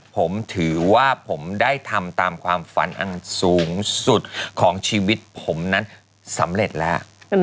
ผมถือว่าผมได้ทำตามความฝันอันสูงสุดของชีวิตผมนั้นสำเร็จแล้ว